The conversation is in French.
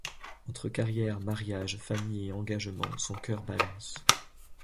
Entre carrière, mariage, famille et engagement, son cœur balance...